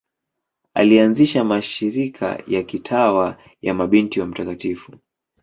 Alianzisha mashirika ya kitawa ya Mabinti wa Mt.